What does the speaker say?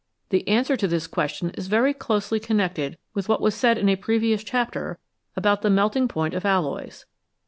" The answer to this question is very closely connected with what was said in a previous chapter about, tin: melting point of alloys.